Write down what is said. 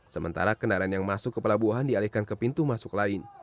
sementara kendaraan yang masuk ke pelabuhan dialihkan ke pintu masuk lain